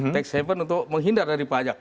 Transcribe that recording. tech seven untuk menghindar dari pajak